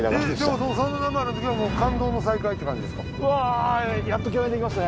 その『真田丸』のときは感動の再会って感じですか。